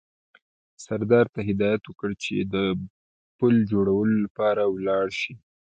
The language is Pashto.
سردار ته هدایت وکړ چې د پل جوړولو لپاره ولاړ شي.